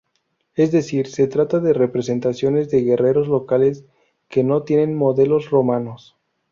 Es decir, se trata de representaciones de guerreros locales, que no tienen modelos romanos.